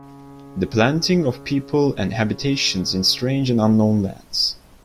The planting of people and habitations in strange and unknown lands.